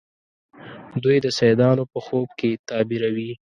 دوی د سیدانو په خوب کې تعبیروي.